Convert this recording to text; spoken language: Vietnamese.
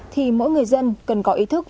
thì mỗi người dân cần có ý thức